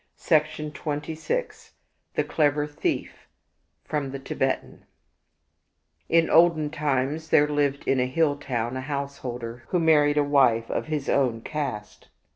i68 The Clever Thief The Clever Thief From the Tibetan T N olden times there lived in a hill town a householder, who married a wife of his own caste.